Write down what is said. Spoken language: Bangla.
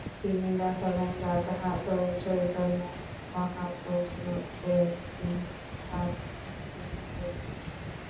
তিনি দেখালেন রাধা ও চৈতন্য মহাপ্রভুরও একই ভাব উপস্থিত হয়েছিল।